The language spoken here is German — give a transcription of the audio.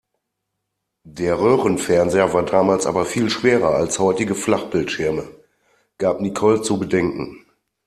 Der Röhrenfernseher war damals aber viel schwerer als heutige Flachbildschirme, gab Nicole zu bedenken.